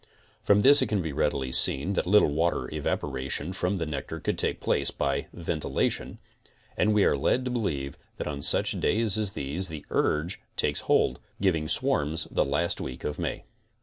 From this it can readily be seen that little evaporation from the nectar could take place by ventilation, and we are led to be lieve that on such days as these the urge takes hold, giving swarms the last week of May.